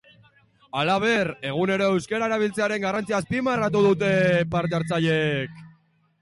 Halaber, egunero euskera erabiltzearen garrantzia azpimarratu dute parte-hartzaileek.